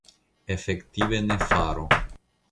Efektive ni faru.